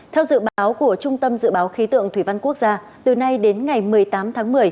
theo dự báo của trung tâm dự báo khí tượng thủy văn quốc gia từ nay đến ngày một mươi tám tháng một mươi